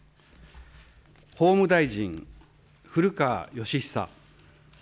法務大臣、古川禎久。